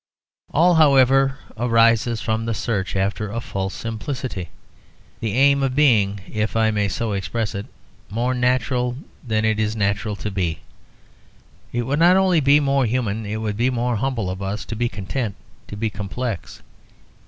All, however, arises from the search after a false simplicity, the aim of being, if I may so express it, more natural than it is natural to be. It would not only be more human, it would be more humble of us to be content to be complex.